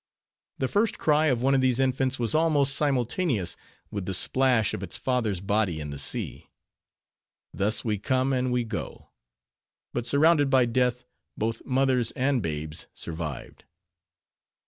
The first cry of one of these infants, was almost simultaneous with the splash of its father's body in the sea. Thus we come and we go. But, surrounded by death, both mothers and babes survived.